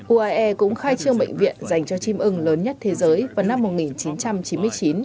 uae cũng khai trương bệnh viện dành cho chim ưng lớn nhất thế giới vào năm một nghìn chín trăm chín mươi chín